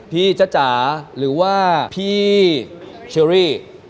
พี่จ้าหรือว่าพี่เชรี้